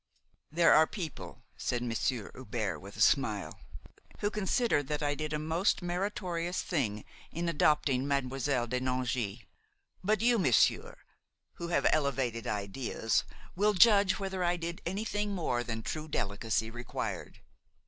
"There are people," said Monsieur Hubert with a smile, "who consider that I did a most meritorious thing in adopting Mademoiselle de Nangy; but you, monsieur, who have elevated ideas, will judge whether I did anything more than true delicacy required.